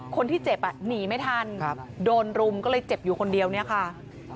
คนที่เจ็บหนีไม่ทันโดนรุมก็เลยเจ็บอยู่คนเดียวเนี่ยค่ะ